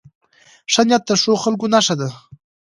ښه نیت د ښو خلکو نښه ده.